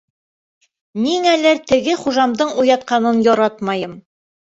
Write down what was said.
— Ниңәлер теге хужамдың уятҡанын яратмайым.